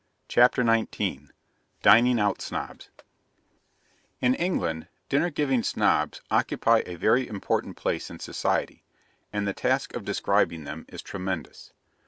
CHAPTER XIX DINING OUT SNOBS In England Dinner giving Snobs occupy a very important place in society, and the task of describing them is tremendous.